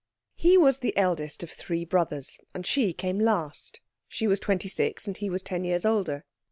He was the eldest of three brothers, and she came last. She was twenty six, and he was ten years older.